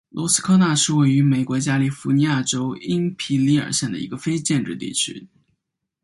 罗斯科纳是位于美国加利福尼亚州因皮里尔县的一个非建制地区。